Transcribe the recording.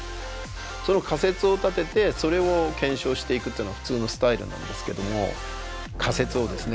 その仮説を立ててそれを検証していくっていうのが普通のスタイルなんですけども仮説をですね